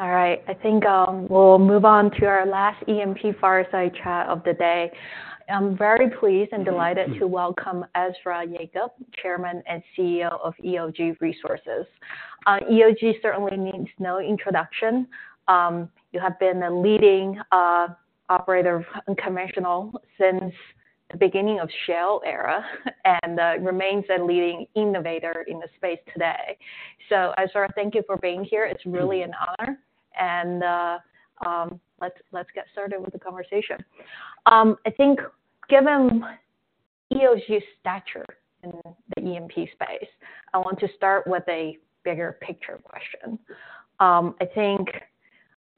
All right, I think we'll move on to our last E&P Fireside Chat of the day. I'm very pleased and delighted to welcome Ezra Yacob, Chairman and CEO of EOG Resources. EOG certainly needs no introduction. You have been a leading operator of unconventional since the beginning of shale era, and remains a leading innovator in the space today. So Ezra, thank you for being here. It's really an honor. And let's get started with the conversation. I think given EOG's stature in the E&P space, I want to start with a bigger picture question. I think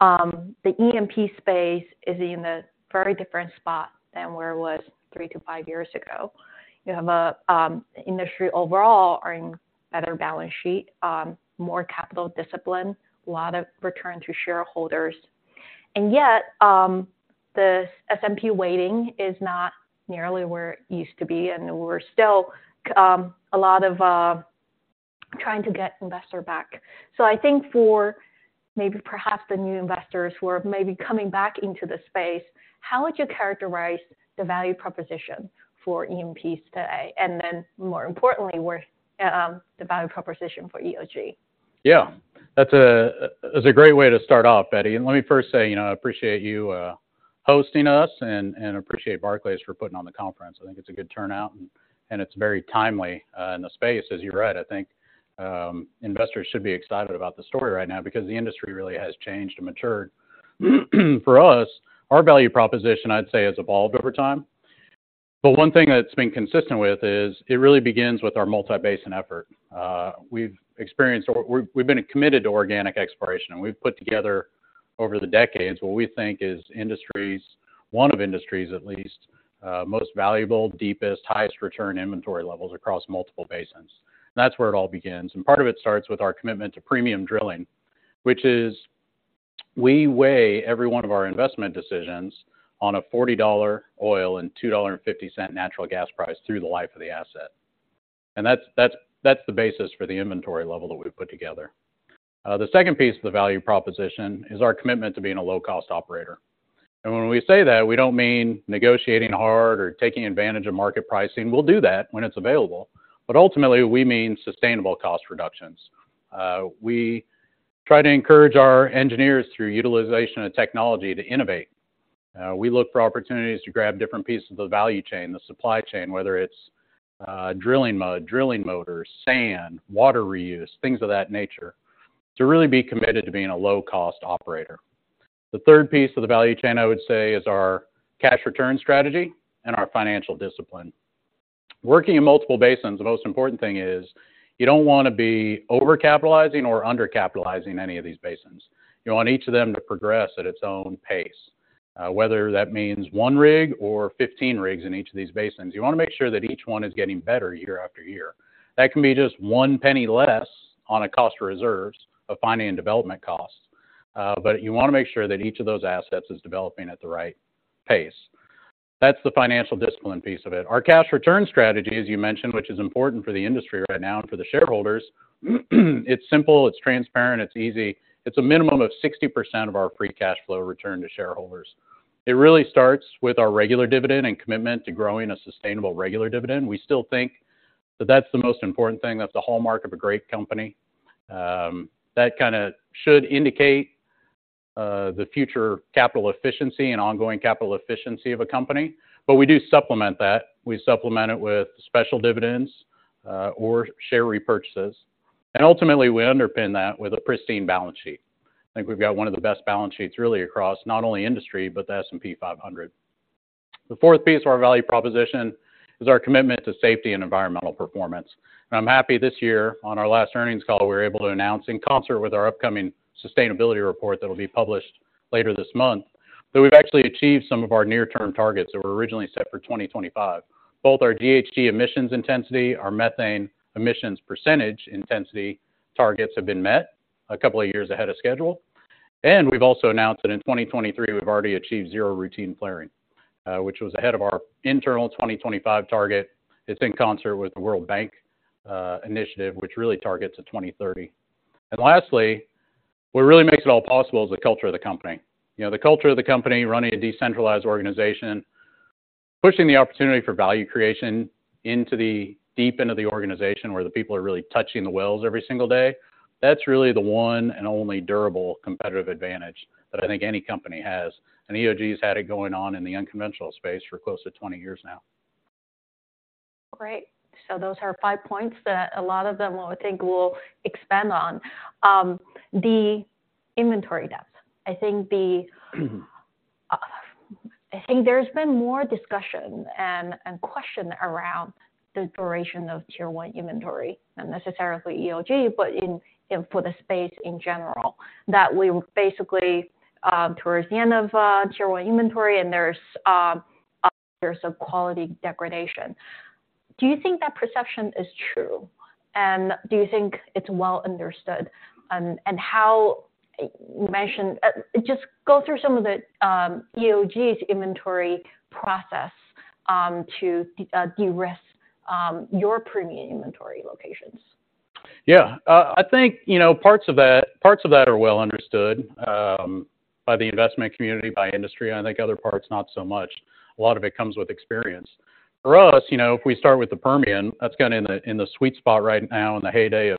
the E&P space is in a very different spot than where it was three-five years ago. You have a industry overall are in better balance sheet, more capital discipline, a lot of return to shareholders. Yet, the S&P weighting is not nearly where it used to be, and we're still a lot of trying to get investor back. So I think for maybe perhaps the new investors who are maybe coming back into the space, how would you characterize the value proposition for E&Ps today, and then, more importantly, where the value proposition for EOG? Yeah, that's a great way to start off, Betty. And let me first say, you know, I appreciate you hosting us and appreciate Barclays for putting on the conference. I think it's a good turnout, and it's very timely in the space. As you're right, I think investors should be excited about the story right now because the industry really has changed and matured. For us, our value proposition, I'd say, has evolved over time. But one thing that's been consistent with is, it really begins with our multi-basin effort. We've been committed to organic exploration, and we've put together over the decades, what we think is the industry's, one of the industry's at least, most valuable, deepest, highest return inventory levels across multiple basins. That's where it all begins, and part of it starts with our commitment to premium drilling, which is we weigh every one of our investment decisions on a $40 oil and $2.50 natural gas price through the life of the asset. And that's the basis for the inventory level that we've put together. The second piece of the value proposition is our commitment to being a low-cost operator. And when we say that, we don't mean negotiating hard or taking advantage of market pricing. We'll do that when it's available, but ultimately, we mean sustainable cost reductions. We try to encourage our engineers through utilization and technology to innovate. We look for opportunities to grab different pieces of the value chain, the supply chain, whether it's drilling mud, drilling motors, sand, water reuse, things of that nature, to really be committed to being a low-cost operator. The third piece of the value chain, I would say, is our cash return strategy and our financial discipline. Working in multiple basins, the most important thing is you don't want to be overcapitalizing or undercapitalizing any of these basins. You want each of them to progress at its own pace, whether that means one rig or 15 rigs in each of these basins, you want to make sure that each one is getting better year after year. That can be just one penny less on a cost of reserves of finding and development costs, but you want to make sure that each of those assets is developing at the right pace. That's the financial discipline piece of it. Our cash return strategy, as you mentioned, which is important for the industry right now and for the shareholders, it's simple, it's transparent, it's easy. It's a minimum of 60% of our free cash flow return to shareholders. It really starts with our regular dividend and commitment to growing a sustainable regular dividend. We still think that that's the most important thing, that's the hallmark of a great company. That kinda should indicate the future capital efficiency and ongoing capital efficiency of a company, but we do supplement that. We supplement it with special dividends, or share repurchases, and ultimately, we underpin that with a pristine balance sheet. I think we've got one of the best balance sheets really across not only industry, but the S&P 500. The fourth piece of our value proposition is our commitment to safety and environmental performance. And I'm happy this year, on our last earnings call, we were able to announce in concert with our upcoming sustainability report that will be published later this month, that we've actually achieved some of our near-term targets that were originally set for 2025. Both our GHG emissions intensity, our methane emissions percentage intensity targets have been met a couple of years ahead of schedule. And we've also announced that in 2023, we've already achieved zero routine flaring, which was ahead of our internal 2025 target. It's in concert with the World Bank initiative, which really targets 2030. And lastly, what really makes it all possible is the culture of the company. You know, the culture of the company, running a decentralized organization, pushing the opportunity for value creation into the deep end of the organization where the people are really touching the wells every single day, that's really the one and only durable competitive advantage that I think any company has. And EOG's had it going on in the unconventional space for close to 20 years now. Great. So those are five points that a lot of them, I think, will expand on. The inventory depth. I think there's been more discussion and question around the duration of Tier 1 inventory, not necessarily EOG, but in, you know, for the space in general, that we basically towards the end of Tier 1 inventory, and there's years of quality degradation. Do you think that perception is true? And do you think it's well understood? And how you mentioned just go through some of the EOG's inventory process to de-risk your premium inventory locations? Yeah. I think, you know, parts of that, parts of that are well understood, by the investment community, by industry, and I think other parts, not so much. A lot of it comes with experience. For us, you know, if we start with the Permian, that's kinda in the sweet spot right now, in the heyday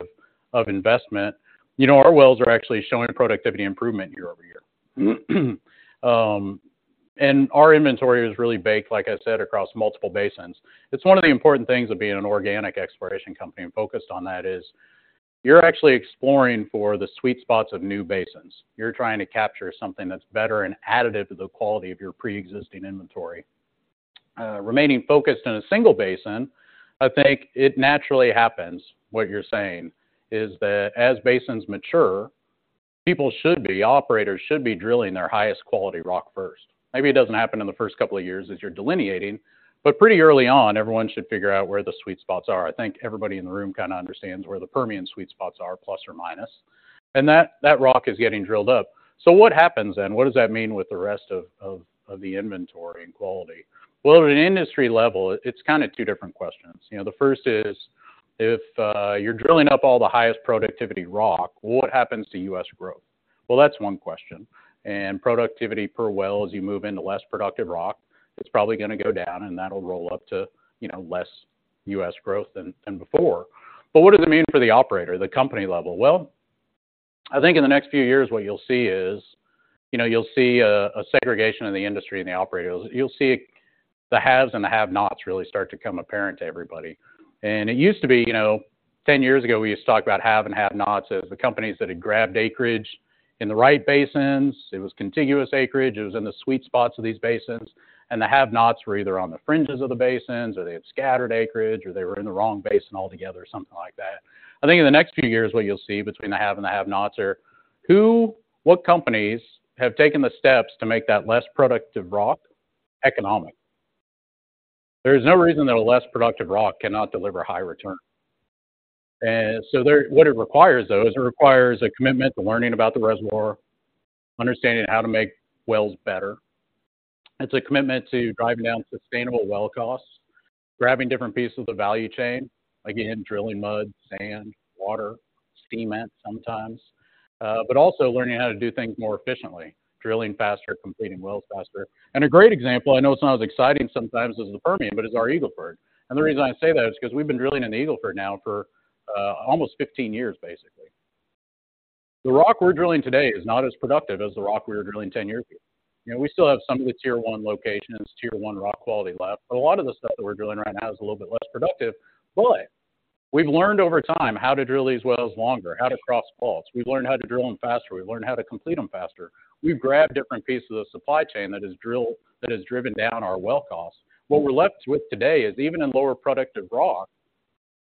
of investment. You know, our wells are actually showing productivity improvement year-over-year. And our inventory is really baked, like I said, across multiple basins. It's one of the important things of being an organic exploration company and focused on that is, you're actually exploring for the sweet spots of new basins. You're trying to capture something that's better and additive to the quality of your preexisting inventory. Remaining focused on a single basin, I think it naturally happens, what you're saying, is that as basins mature, people should be, operators should be drilling their highest quality rock first. Maybe it doesn't happen in the first couple of years as you're delineating, but pretty early on, everyone should figure out where the sweet spots are. I think everybody in the room kinda understands where the Permian sweet spots are, plus or minus, and that rock is getting drilled up. So what happens then? What does that mean with the rest of the inventory and quality? Well, at an industry level, it's kinda two different questions. You know, the first is, if you're drilling up all the highest productivity rock, what happens to U.S. growth? Well, that's one question. Productivity per well, as you move into less productive rock, it's probably gonna go down, and that'll roll up to, you know, less U.S. growth than before. But what does it mean for the operator, the company level? Well, I think in the next few years, what you'll see is, you know, you'll see a segregation in the industry and the operators. You'll see the haves and the have-nots really start to become apparent to everybody. And it used to be, you know, 10 years ago, we used to talk about have and have-nots as the companies that had grabbed acreage in the right basins. It was contiguous acreage. It was in the sweet spots of these basins, and the have-nots were either on the fringes of the basins, or they had scattered acreage, or they were in the wrong basin altogether, or something like that. I think in the next few years, what you'll see between the have and the have-nots are, who, what companies have taken the steps to make that less productive rock economic? There is no reason that a less productive rock cannot deliver high return. And so there, what it requires, though, is it requires a commitment to learning about the reservoir, understanding how to make wells better. It's a commitment to driving down sustainable well costs, grabbing different pieces of the value chain, again, drilling mud, sand, water, cement sometimes, but also learning how to do things more efficiently, drilling faster, completing wells faster. And a great example, I know it's not as exciting sometimes as the Permian, but it's our Eagle Ford. And the reason I say that is 'cause we've been drilling in Eagle Ford now for, almost 15 years, basically. The rock we're drilling today is not as productive as the rock we were drilling 10 years ago. You know, we still have some of the Tier 1 locations, Tier 1 rock quality left, but a lot of the stuff that we're drilling right now is a little bit less productive. But we've learned over time how to drill these wells longer, how to cross faults. We've learned how to drill them faster. We've learned how to complete them faster. We've grabbed different pieces of supply chain that has driven down our well costs. What we're left with today is even in lower productive rock,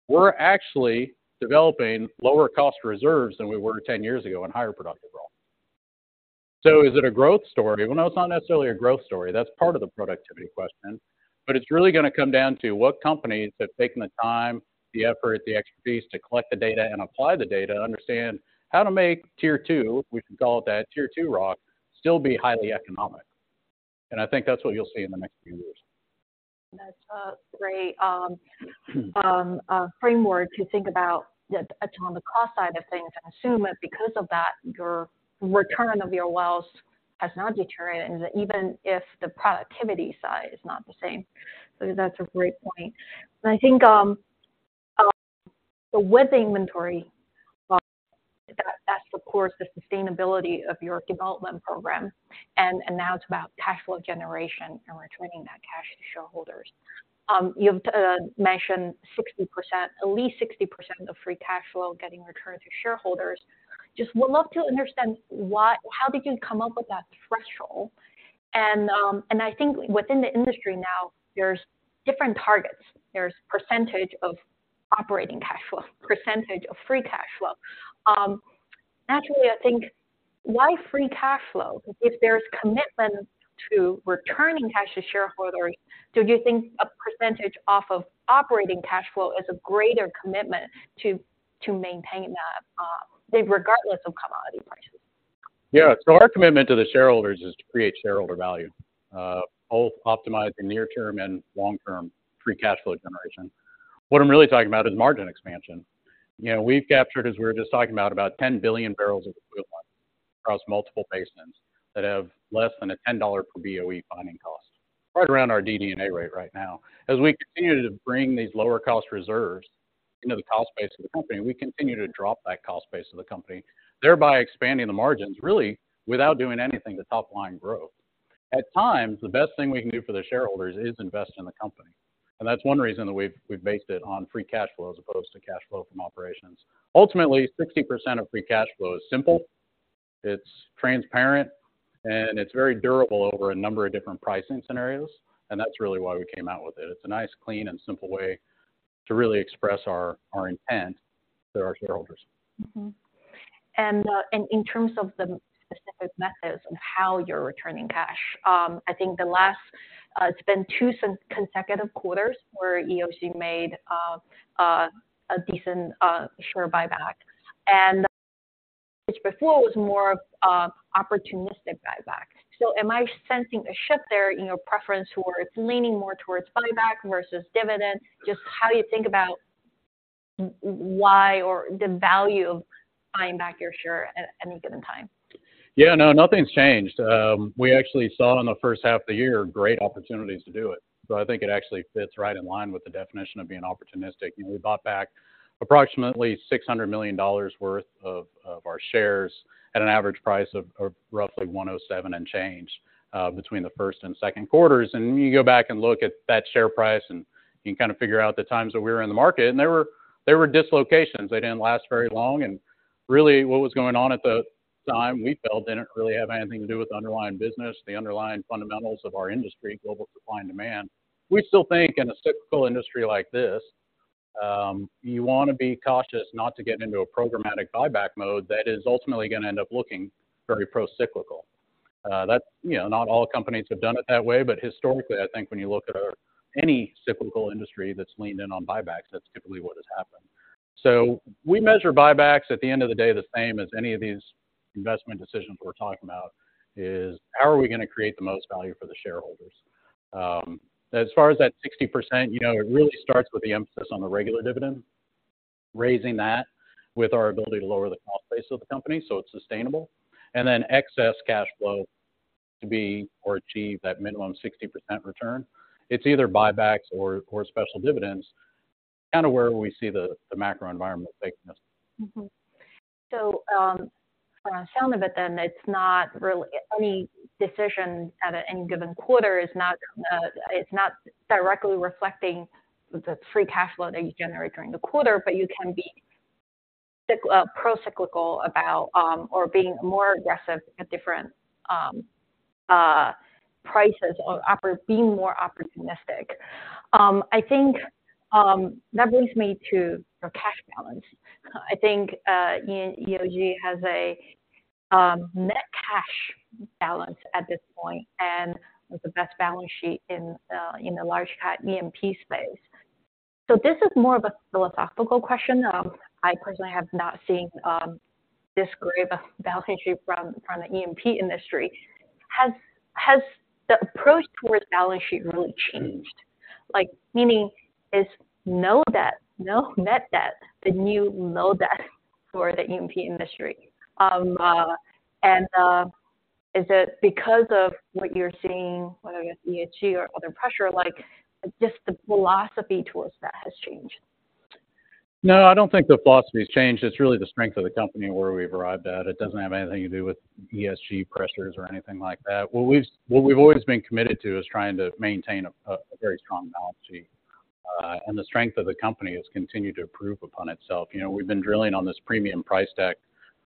we're actually developing lower cost reserves than we were 10 years ago in higher productive rock. So is it a growth story? Well, no, it's not necessarily a growth story. That's part of the productivity question, but it's really gonna come down to what companies have taken the time, the effort, the expertise to collect the data and apply the data to understand how to make Tier 2, we can call it that, Tier 2 rock, still be highly economic. I think that's what you'll see in the next few years. That's a great framework to think about the on the cost side of things and assume that because of that, your return of your wells has not deteriorated, even if the productivity side is not the same. So that's a great point. I think with the inventory, well, that supports the sustainability of your development program, and now it's about cash flow generation and returning that cash to shareholders. You've mentioned 60%, at least 60% of the free cash flow getting returned to shareholders. Just would love to understand what-- how did you come up with that threshold? And I think within the industry now, there's different targets. There's percentage of operating cash flow, percentage of free cash flow. Naturally, I think, why free cash flow? If there's commitment to returning cash to shareholders, so do you think a percentage off of operating cash flow is a greater commitment to, to maintain that, regardless of commodity prices? Yeah. So our commitment to the shareholders is to create shareholder value, both optimizing near-term and long-term free cash flow generation. What I'm really talking about is margin expansion. You know, we've captured, as we were just talking about, about 10 billion barrels of equivalent across multiple basins that have less than a $10 per BOE finding cost, right around our DD&A rate right now. As we continue to bring these lower-cost reserves into the cost base of the company, we continue to drop that cost base of the company, thereby expanding the margins, really, without doing anything to top-line growth. At times, the best thing we can do for the shareholders is invest in the company, and that's one reason that we've based it on free cash flow as opposed to cash flow from operations. Ultimately, 60% of free cash flow is simple, it's transparent, and it's very durable over a number of different pricing scenarios, and that's really why we came out with it. It's a nice, clean, and simple way to really express our, our intent to our shareholders. And in terms of the specific methods of how you're returning cash, I think the last, it's been two consecutive quarters where EOG made a decent share buyback. And which before was more of opportunistic buyback. So am I sensing a shift there in your preference towards leaning more towards buyback versus dividend? Just how you think about why or the value of buying back your share at any given time? Yeah, no, nothing's changed. We actually saw in the first half of the year, great opportunities to do it, so I think it actually fits right in line with the definition of being opportunistic. You know, we bought back approximately $600 million worth of our shares at an average price of roughly 107 and change between the first and second quarters. And you go back and look at that share price, and you can kind of figure out the times that we were in the market, and there were dislocations. They didn't last very long, and really, what was going on at the time, we felt didn't really have anything to do with the underlying business, the underlying fundamentals of our industry, global supply and demand. We still think in a cyclical industry like this, you want to be cautious not to get into a programmatic buyback mode that is ultimately gonna end up looking very procyclical. That's, you know, not all companies have done it that way, but historically, I think when you look at any cyclical industry that's leaned in on buybacks, that's typically what has happened. So we measure buybacks at the end of the day, the same as any of these investment decisions we're talking about, is how are we gonna create the most value for the shareholders? As far as that 60%, you know, it really starts with the emphasis on the regular dividend, raising that with our ability to lower the cost base of the company so it's sustainable, and then excess cash flow to be or achieve that minimum 60% return. It's either buybacks or special dividends, kind of where we see the macro environment taking us. Mm-hmm. So, from the sound of it then, any decision at any given quarter is not directly reflecting the free cash flow that you generate during the quarter, but you can be procyclical about or being more aggressive at different prices or being more opportunistic. I think that brings me to your cash balance. I think EOG has a net cash balance at this point, and the best balance sheet in the large cap E&P space. So this is more of a philosophical question. I personally have not seen this great of a balance sheet from the E&P industry. Has the approach towards balance sheet really changed? Like, meaning, is no debt, no net debt, the new no debt for the E&P industry? Is it because of what you're seeing with ESG or other pressure, like, just the philosophy towards that has changed? No, I don't think the philosophy has changed. It's really the strength of the company where we've arrived at. It doesn't have anything to do with ESG pressures or anything like that. What we've always been committed to is trying to maintain a very strong balance sheet, and the strength of the company has continued to improve upon itself. You know, we've been drilling on this premium price deck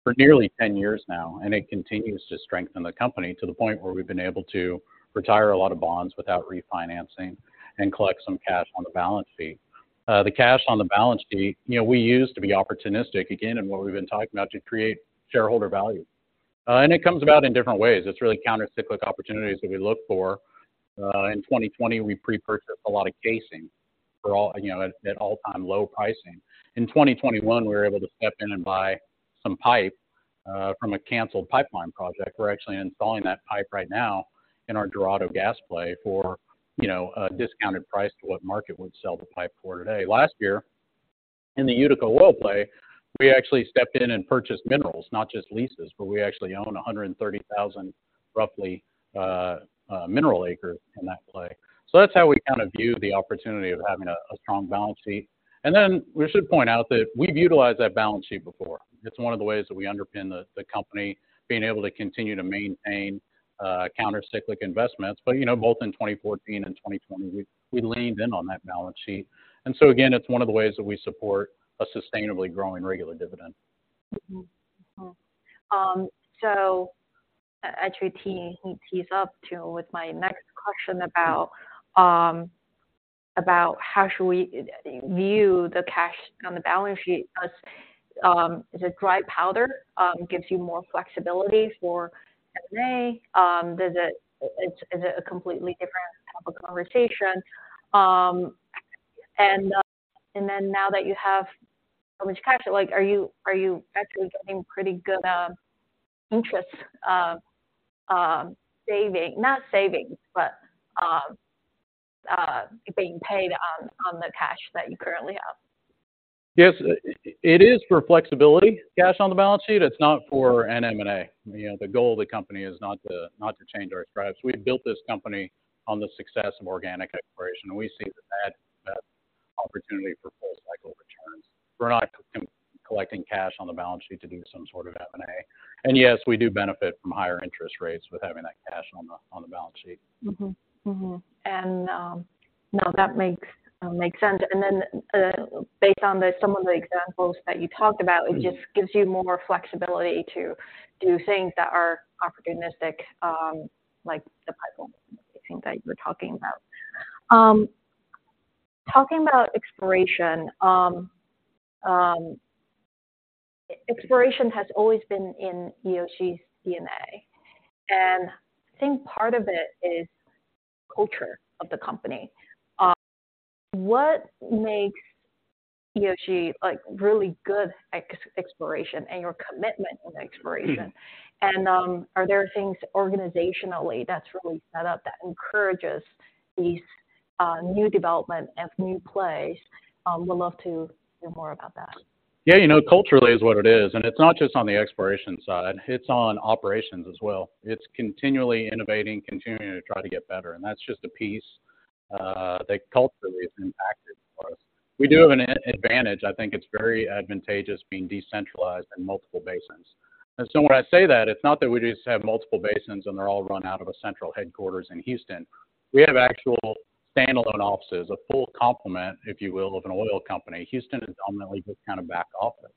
for nearly 10 years now, and it continues to strengthen the company to the point where we've been able to retire a lot of bonds without refinancing and collect some cash on the balance sheet. The cash on the balance sheet, you know, we use to be opportunistic again, in what we've been talking about, to create shareholder value. And it comes about in different ways. It's really countercyclical opportunities that we look for. In 2020, we pre-purchased a lot of casing for all, you know, at all-time low pricing. In 2021, we were able to step in and buy some pipe from a canceled pipeline project. We're actually installing that pipe right now in our Dorado gas play for, you know, a discounted price to what market would sell the pipe for today. Last year, in the Utica oil play, we actually stepped in and purchased minerals, not just leases, but we actually own 130,000, roughly, mineral acres in that play. So that's how we kind of view the opportunity of having a strong balance sheet. And then we should point out that we've utilized that balance sheet before. It's one of the ways that we underpin the company being able to continue to maintain countercyclical investments, but you know both in 2014 and 2020 we leaned in on that balance sheet. And so again, it's one of the ways that we support a sustainably growing regular dividend. Mm-hmm, mm. So actually, that tees up to with my next question about how should we view the cash on the balance sheet? As, is it dry powder, gives you more flexibility for M&A? Is it a completely different type of conversation? And then now that you have how much cash, like, are you actually getting pretty good interest, saving—not savings, but, being paid on the cash that you currently have? Yes, it is for flexibility, cash on the balance sheet. It's not for an M&A. You know, the goal of the company is not to, not to change our strategy. We built this company on the success of organic exploration, and we see that, that opportunity for full cycle returns. We're not collecting cash on the balance sheet to do some sort of M&A. And yes, we do benefit from higher interest rates with having that cash on the balance sheet. Mm-hmm. Mm-hmm. And now that makes sense. And then, based on some of the examples that you talked about, it just gives you more flexibility to do things that are opportunistic, like the pipe, I think, that you were talking about. Talking about exploration, exploration has always been in EOG's DNA, and I think part of it is culture of the company. What makes EOG, like, really good at exploration and your commitment in exploration? Mm-hmm. Are there things organizationally that's really set up that encourages these, new development and new plays? Would love to hear more about that. Yeah, you know, culturally is what it is, and it's not just on the exploration side, it's on operations as well. It's continually innovating, continuing to try to get better, and that's just a piece that culturally has impacted us. We do have an advantage. I think it's very advantageous being decentralized in multiple basins. And so when I say that, it's not that we just have multiple basins and they're all run out of a central headquarters in Houston. We have actual standalone offices, a full complement, if you will, of an oil company. Houston is dominantly just kind of back office.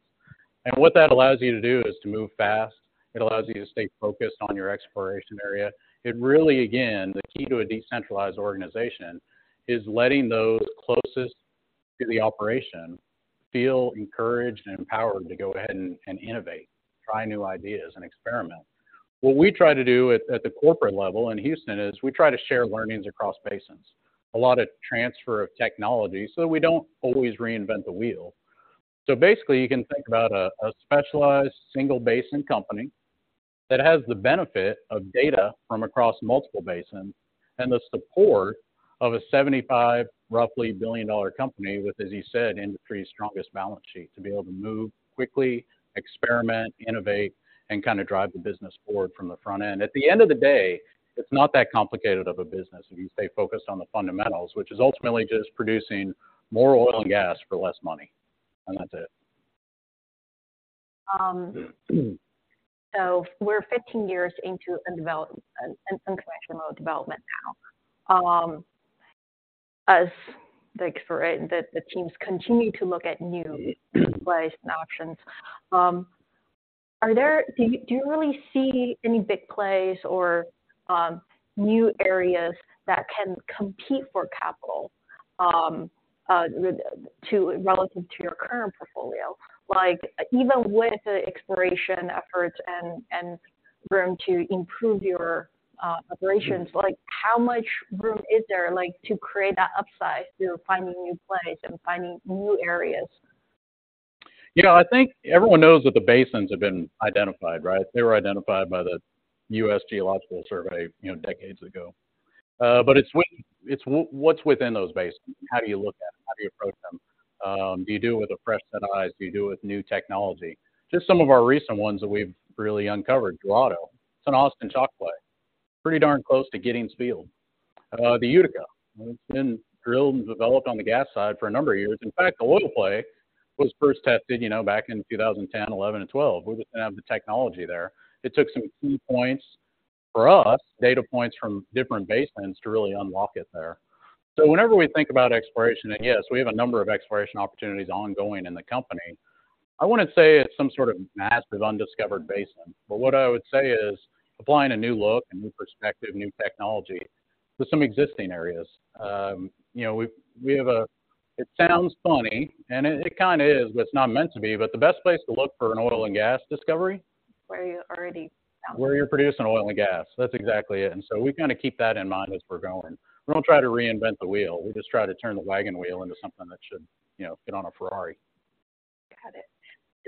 And what that allows you to do is to move fast. It allows you to stay focused on your exploration area. It really, again, the key to a decentralized organization is letting those closest to the operation feel encouraged and empowered to go ahead and innovate, try new ideas, and experiment. What we try to do at the corporate level in Houston is we try to share learnings across basins. A lot of transfer of technology, so we don't always reinvent the wheel. So basically, you can think about a specialized single-basin company that has the benefit of data from across multiple basins and the support of a roughly $75 billion company with, as you said, industry's strongest balance sheet, to be able to move quickly, experiment, innovate, and kind of drive the business forward from the front end. At the end of the day, it's not that complicated of a business if you stay focused on the fundamentals, which is ultimately just producing more oil and gas for less money, and that's it. So we're 15 years into a development, an unconventional development now. The teams continue to look at new plays and options. Do you really see any big plays or new areas that can compete for capital with the relative to your current portfolio? Like, even with the exploration efforts and room to improve your operations. Mm-hmm. Like, how much room is there, like, to create that upside through finding new plays and finding new areas? You know, I think everyone knows that the basins have been identified, right? They were identified by the U.S. Geological Survey, you know, decades ago. But it's what's within those basins, how do you look at them, how do you approach them? Do you do it with a fresh set of eyes? Do you do it with new technology? Just some of our recent ones that we've really uncovered, Dorado. It's an Austin Chalk play. Pretty darn close to Giddings Field. The Utica, it's been drilled and developed on the gas side for a number of years. In fact, the oil play was first tested, you know, back in 2010, 2011, and 2012. We didn't have the technology there. It took some key points, for us, data points from different basins to really unlock it there. So whenever we think about exploration, and yes, we have a number of exploration opportunities ongoing in the company, I wouldn't say it's some sort of massive undiscovered basin, but what I would say is applying a new look, a new perspective, new technology to some existing areas. You know, we have a... It sounds funny, and it kind of is, but it's not meant to be, but the best place to look for an oil and gas discovery? Where you already found it. Where you're producing oil and gas. That's exactly it, and so we kind of keep that in mind as we're going. We don't try to reinvent the wheel. We just try to turn the wagon wheel into something that should, you know, fit on a Ferrari. Got it.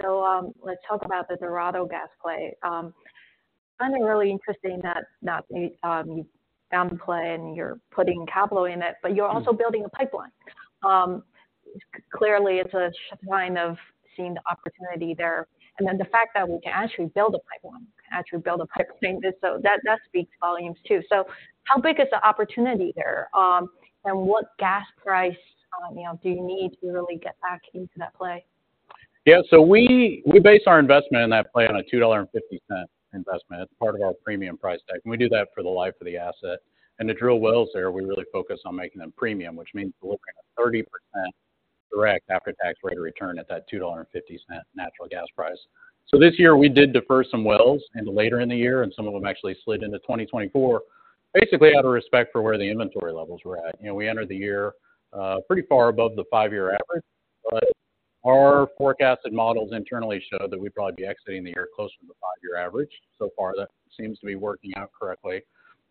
So, let's talk about the Dorado gas play. Something really interesting that you found the play and you're putting capital in it, but you're also- Mm-hmm... building a pipeline. Clearly, it's a sign of seeing the opportunity there. And then the fact that we can actually build a pipeline, actually build a pipeline, so that, that speaks volumes too. So how big is the opportunity there, and what gas price, you know, do you need to really get back into that play? Yeah, so we based our investment in that play on a $2.50 investment. It's part of our premium price tag, and we do that for the life of the asset. And to drill wells there, we really focus on making them premium, which means we're looking at a 30% direct after-tax rate of return at that $2.50 natural gas price. So this year, we did defer some wells later in the year, and some of them actually slid into 2024, basically out of respect for where the inventory levels were at. You know, we entered the year pretty far above the five-year average, but our forecasted models internally show that we'd probably be exiting the year closer to the five-year average. So far, that seems to be working out correctly.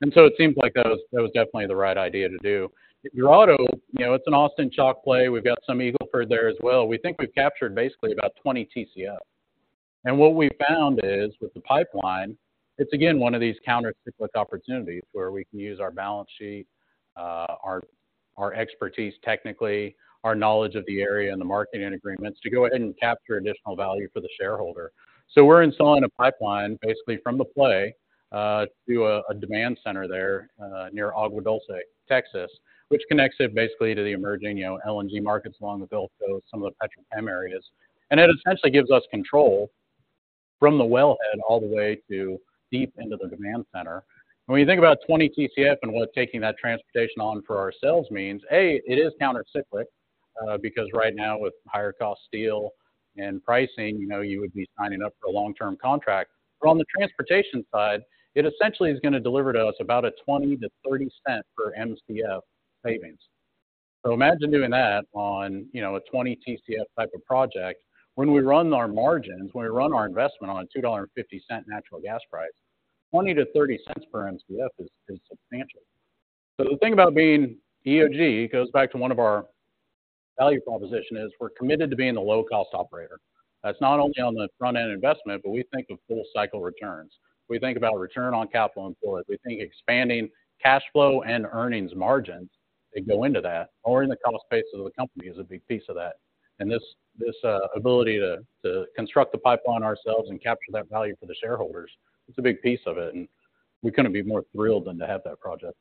And so it seems like that was definitely the right idea to do. Dorado, you know, it's an Austin Chalk play. We've got some Eagle Ford there as well. We think we've captured basically about 20 Tcf. And what we found is, with the pipeline, it's again, one of these countercyclical opportunities where we can use our balance sheet, our expertise technically, our knowledge of the area and the marketing agreements, to go ahead and capture additional value for the shareholder. So we're installing a pipeline basically from the play, to a demand center there, near Agua Dulce, Texas, which connects it basically to the emerging, you know, LNG markets along the Gulf Coast, some of the petrochemical areas. And it essentially gives us control from the wellhead all the way to deep into the demand center. When you think about 20 Tcf and what taking that transportation on for ourselves means, A, it is countercyclical, because right now, with higher-cost steel and pricing, you know, you would be signing up for a long-term contract. But on the transportation side, it essentially is gonna deliver to us about a $0.20-$0.30 per Mcf savings. So imagine doing that on, you know, a 20 Tcf type of project. When we run our margins, when we run our investment on a $2.50 natural gas price, $0.20-$0.30 per Mcf is, is substantial. But the thing about being EOG goes back to one of our value proposition is we're committed to being the low-cost operator. That's not only on the front-end investment, but we think of full cycle returns. We think about return on capital employed. We think expanding cash flow and earnings margins that go into that, owning the kind of space of the company, is a big piece of that. And this ability to construct the pipeline ourselves and capture that value for the shareholders, it's a big piece of it, and we couldn't be more thrilled than to have that project.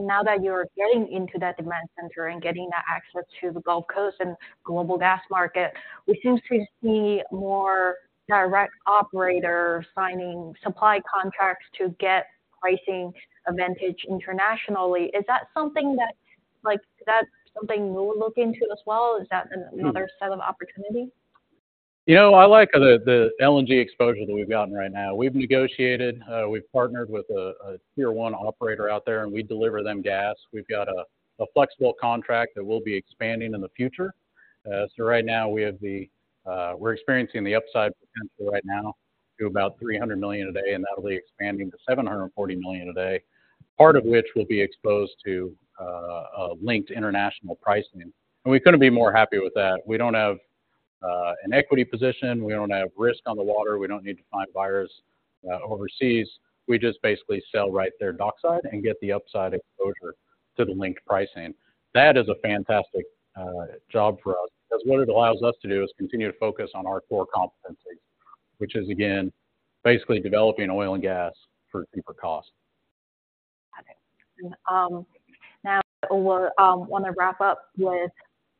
Now that you're getting into that demand center and getting that access to the Gulf Coast and global gas market, we seem to see more direct operator signing supply contracts to get pricing advantage internationally. Is that something that, like, is that something we'll look into as well? Is that another set of opportunity? You know, I like the LNG exposure that we've gotten right now. We've negotiated, we've partnered with a Tier 1 operator out there, and we deliver them gas. We've got a flexible contract that we'll be expanding in the future. So right now we're experiencing the upside potential right now to about 300 million a day, and that'll be expanding to 740 million a day. Part of which will be exposed to a linked international pricing. And we couldn't be more happy with that. We don't have an equity position, we don't have risk on the water, we don't need to find buyers overseas. We just basically sell right there dockside and get the upside exposure to the linked pricing. That is a fantastic job for us because what it allows us to do is continue to focus on our core competencies, which is again, basically developing oil and gas for cheaper cost. Got it. Now we'll want to wrap up with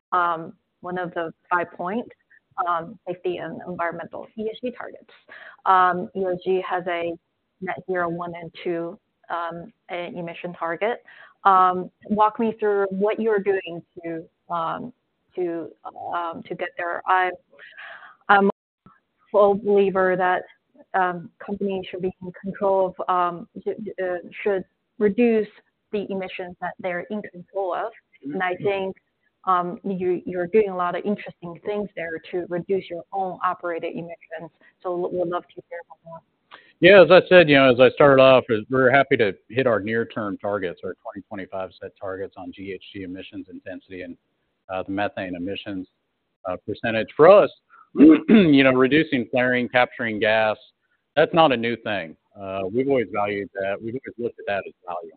one of the five points is the environmental ESG targets. EOG has a net-zero one and two emission target. Walk me through what you are doing to get there. I'm a full believer that companies should be in control of should reduce the emissions that they're in control of. Mm-hmm. I think you’re doing a lot of interesting things there to reduce your own operating emissions, so would love to hear more. Yeah, as I said, you know, as I started off, is we're happy to hit our near-term targets, our 2025 set targets on GHG emissions intensity and the methane emissions percentage. For us, you know, reducing flaring, capturing gas, that's not a new thing. We've always valued that. We've always looked at that as value,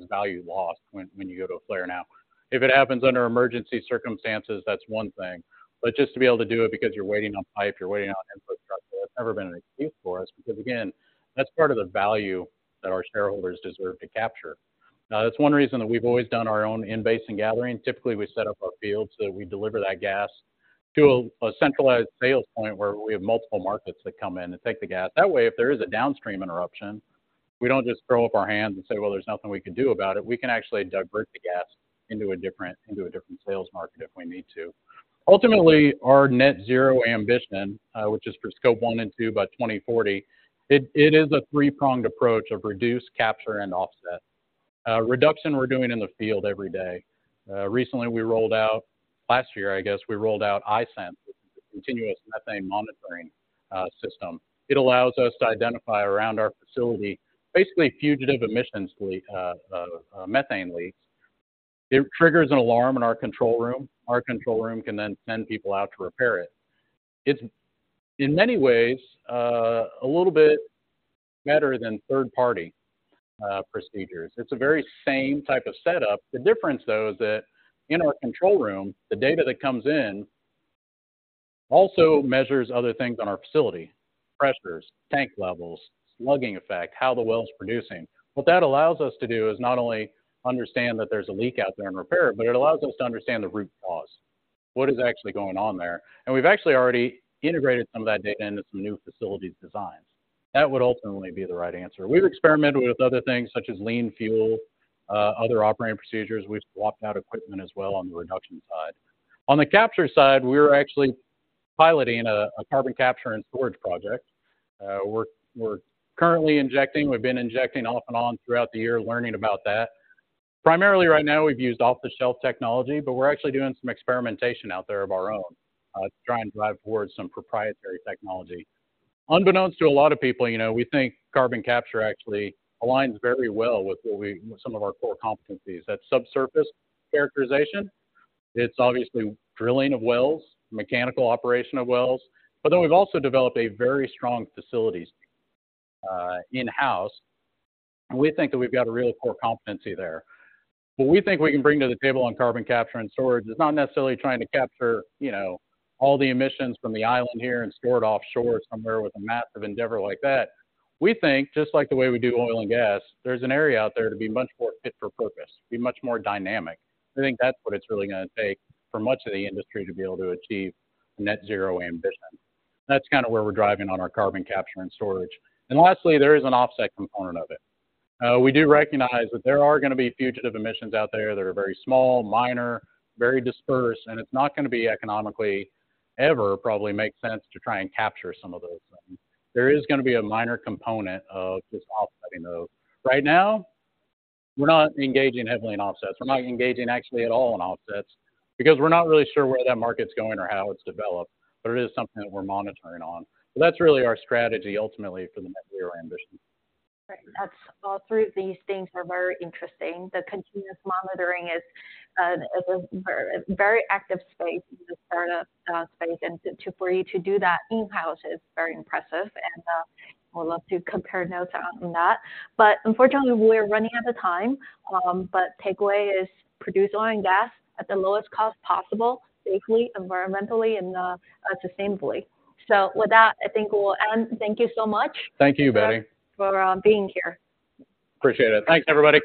as value lost when you go to a flare now. If it happens under emergency circumstances, that's one thing, but just to be able to do it because you're waiting on pipe, you're waiting on input structure, that's never been an excuse for us because again, that's part of the value that our shareholders deserve to capture. Now, that's one reason that we've always done our own in-basin gathering. Typically, we set up our fields, so we deliver that gas to a centralized sales point where we have multiple markets that come in and take the gas. That way, if there is a downstream interruption, we don't just throw up our hands and say, "Well, there's nothing we can do about it." We can actually divert the gas into a different sales market if we need to. Ultimately, our net-zero ambition, which is for Scope 1 and 2 by 2040, it is a three-pronged approach of reduce, capture, and offset. Reduction we're doing in the field every day. Recently, I guess, we rolled out iSense, Continuous Methane Monitoring System. It allows us to identify around our facility, basically fugitive emissions leak methane leaks. It triggers an alarm in our control room. Our control room can then send people out to repair it. It's, in many ways, a little bit better than third-party procedures. It's a very same type of setup. The difference, though, is that in our control room, the data that comes in also measures other things on our facility: pressures, tank levels, slugging effect, how the well's producing. What that allows us to do is not only understand that there's a leak out there and repair it, but it allows us to understand the root cause, what is actually going on there. We've actually already integrated some of that data into some new facilities designs. That would ultimately be the right answer. We've experimented with other things such as lean fuel, other operating procedures. We've swapped out equipment as well on the reduction side. On the capture side, we're actually piloting a carbon capture and storage project. We're currently injecting. We've been injecting off and on throughout the year, learning about that. Primarily right now, we've used off-the-shelf technology, but we're actually doing some experimentation out there of our own to try and drive towards some proprietary technology. Unbeknownst to a lot of people, you know, we think carbon capture actually aligns very well with what we some of our core competencies. That's subsurface characterization, it's obviously drilling of wells, mechanical operation of wells, but then we've also developed a very strong facilities in-house, and we think that we've got a really core competency there. What we think we can bring to the table on carbon capture and storage is not necessarily trying to capture, you know, all the emissions from the island here and store it offshore somewhere with a massive endeavor like that. We think, just like the way we do oil and gas, there's an area out there to be much more fit for purpose, be much more dynamic. I think that's what it's really gonna take for much of the industry to be able to achieve net-zero ambition. That's kind of where we're driving on our carbon capture and storage. And lastly, there is an offset component of it. We do recognize that there are gonna be fugitive emissions out there that are very small, minor, very dispersed, and it's not gonna be economically ever probably make sense to try and capture some of those things. There is gonna be a minor component of just offsetting those. Right now, we're not engaging heavily in offsets. We're not engaging actually at all in offsets because we're not really sure where that market's going or how it's developed, but it is something that we're monitoring on. So that's really our strategy, ultimately, for the net-zero ambition. Right. That's all three of these things are very interesting. The continuous monitoring is a very, very active space in the startup space, and, for you to do that in-house is very impressive, and, would love to compare notes on that. But unfortunately, we're running out of time, but takeaway is produce oil and gas at the lowest cost possible, safely, environmentally, and sustainably. So with that, I think we'll end. Thank you so much. Thank you, Betty. for being here. Appreciate it. Thanks, everybody!